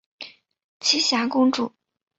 栖霞公主。